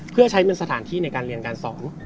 เพื่อใช้เป็นสถานที่ในการเรียนการสอน